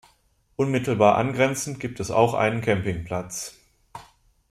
Unmittelbar angrenzend gibt es auch einen Campingplatz.